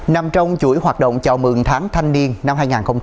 nằm trong chuỗi hoạt động chào mừng tháng thanh niên năm hai nghìn hai mươi bốn